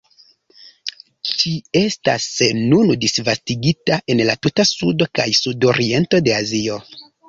Ĝi estas nun disvastigita en la tuta sudo kaj sudoriento de Azio.